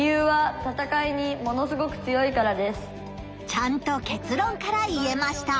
ちゃんと結論から言えました。